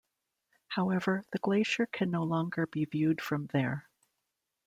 However, the glacier can no longer be viewed from there.